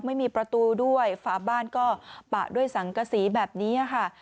ไม่มีประตูด้วยฝาบ้านก็ปะด้วยสังกษีแบบนี้ค่ะ